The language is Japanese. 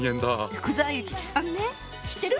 福沢諭吉さんね知ってる？